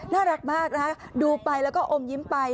น่ารักมากนะคะดูไปแล้วก็อมยิ้มไป